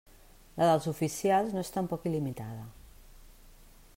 La dels oficials no és tampoc il·limitada.